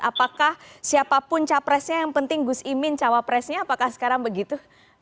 apakah siapapun capresnya yang penting gus imin cawapresnya apakah sekarang begitu